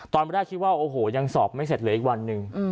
ตอนไม่ได้ชื่อว่าโอ้โหยังสอบไม่เสร็จเหลืออีกวันนึง